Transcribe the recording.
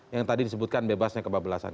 yang tadi disebutkan bebasnya kebablasan